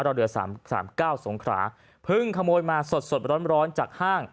เรือสามสามเก้าสงขราเพิ่งขโมยมาสดสดร้อนร้อนจากห้าง